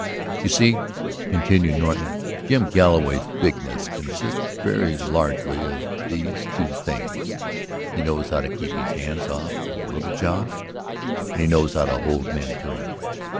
"You see," continued Norton, "Jim Galloway's bigness consists very largely of these two things: he knows how to keep his hands off of the little jobs, and he knows how to hold men to him.